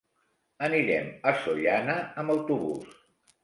Anirem a Sollana amb autobús.